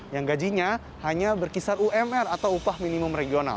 yang gajinya hanya berkisar umr atau upah minimum regional